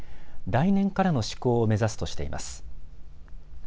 来年からの施行を目指すとしています。